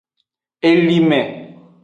Elime.